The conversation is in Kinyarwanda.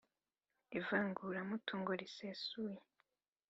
ivanguramutungo risesuye: